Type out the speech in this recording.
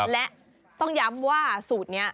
และต้องย้ำว่าสูตรนี้